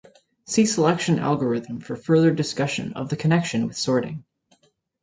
See selection algorithm for further discussion of the connection with sorting.